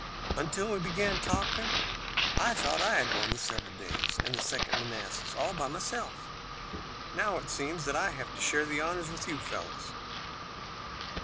"Until we began talking I thought I had won the Seven Days and the Second Manassas all by myself. Now, it seems that I have to share the honors with you fellows."